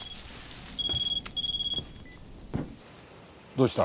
どうした？